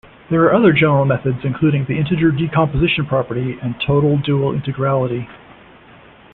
There are other general methods including the integer decomposition property and total dual integrality.